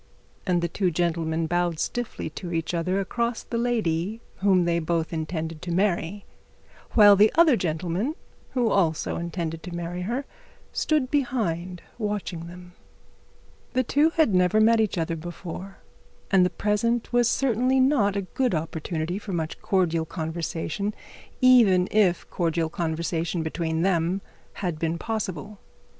And the two gentlemen bowed stiffly to each other across the lady they both intended to marry, while the other gentleman who also intended to marry her stood behind, watching them. The two had never met each other before, and the present was certainly not a good opportunity for much cordial conversation, even if cordial conversation between them had been possible.